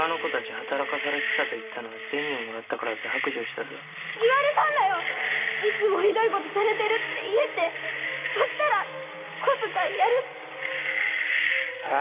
「働かされてた」と言ったのは銭をもらったからだと白状したぞ言われたんだよいつもひどいことされてるって言えってそしたら小遣いやるってえっ？